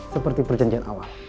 seperti perjanjian awal